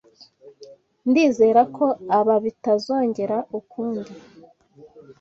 Ndizera ko aba bitazongera ukundi.